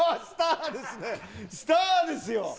スターですよ。